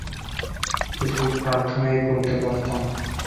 শুধু প্রার্থনাই করতে পারতাম।